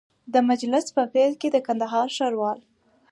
د مجلس په پیل کي د کندهار ښاروال